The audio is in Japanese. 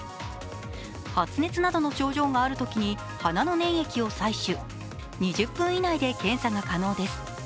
発熱などの症状があるときに鼻の粘液を採取、２０分以内で検査が可能です。